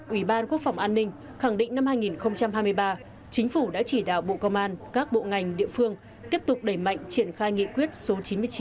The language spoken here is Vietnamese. ủy ban quốc phòng an ninh khẳng định năm hai nghìn hai mươi ba chính phủ đã chỉ đạo bộ công an các bộ ngành địa phương tiếp tục đẩy mạnh triển khai nghị quyết số chín mươi chín